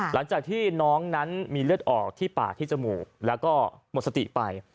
หลังจากที่น้องนั้นมีเลือดออกที่ปากที่จมูกแล้วก็หมดสติไป